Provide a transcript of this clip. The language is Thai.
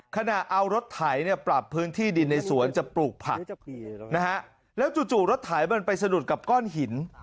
ขณะเอารถไถเนี่ยปรับพื้นที่ดินในสวนจะปลูกผักนะฮะแล้วจู่รถไถมันไปสะดุดกับก้อนหิน